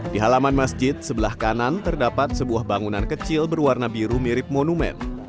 di halaman masjid sebelah kanan terdapat sebuah bangunan kecil berwarna biru mirip monumen